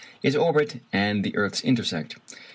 Its orbit and the earth's intersect.